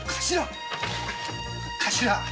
頭！